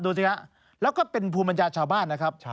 ดูสิฮะแล้วก็เป็นภูมิปัญญาชาวบ้านนะครับ